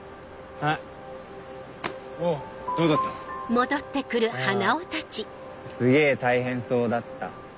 あすげぇ大変そうだった。